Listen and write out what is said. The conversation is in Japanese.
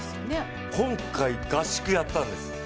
今回、合宿やったんです。